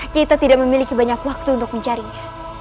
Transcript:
kita tidak memiliki banyak waktu untuk mencarinya